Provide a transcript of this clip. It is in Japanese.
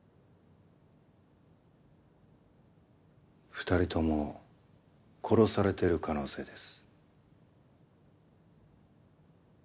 ２人とも殺されている可能性です。